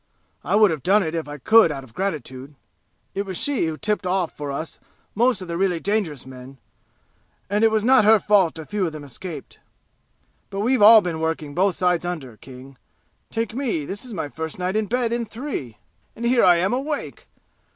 I would have done it if I could out of gratitude; it was she who tipped off for us most of the really dangerous men, and it was not her fault a few of them escaped. But we've all been working both tides under, King. Take me; this is my first night in bed in three, and here I am awake!